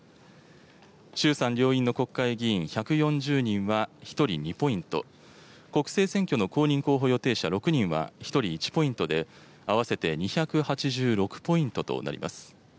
衆参両院の国会議員１４０人は１人２ポイント、国政選挙の公認候補予定者６人は１人１ポイントで、合わせて２８６ポイントとなります。